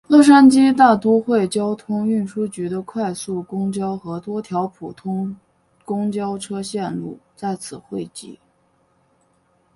洛杉矶大都会交通运输局的快速公交和多条普速公交车线路在此汇集。